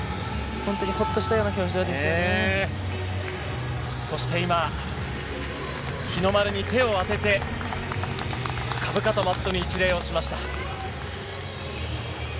本当にほっとしたような表情そして今、日の丸に手を当てて、深々とマットに一礼をしました。